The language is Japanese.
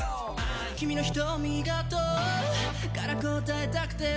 「君の瞳が問うから応えたくて」